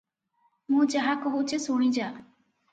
ମୁଁ ଯାହା କହୁଛି, ଶୁଣି ଯା ।